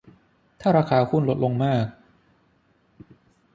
ถ้าราคาหุ้นลดลงมาก